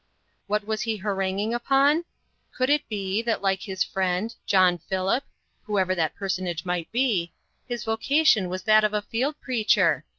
What was he haranguing upon? Could it be, that like his friend, "John Philip," whoever that personage might be, his vocation was that of a field preacher?